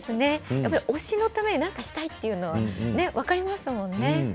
やっぱり推しのために何かしたいというのは分かりますものね。